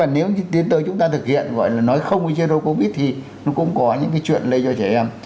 nếu như tiến tới chúng ta thực hiện gọi là nói không với chế độ covid thì nó cũng có những cái chuyện lây cho trẻ em